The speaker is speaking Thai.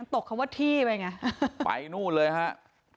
ตกคำว่าที่ไปไงไปนู่นเลยฮะ